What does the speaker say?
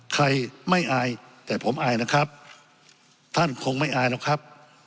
ใครไม่อายแต่ผมอายนะครับท่านคงไม่อายหรอกครับ